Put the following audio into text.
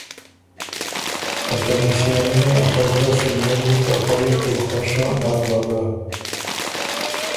که ته مِݭېرَنّي ا خبُره سو مېني که خوَیه تيې خوَشه نک به ګۀ۔